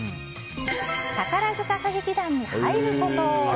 宝塚歌劇団に入ること。